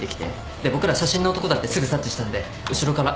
で僕ら写真の男だってすぐ察知したんで後ろから追っ掛けて。